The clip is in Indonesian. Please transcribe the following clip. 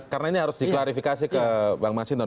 karena ini harus diklarifikasi ke bang mas hinton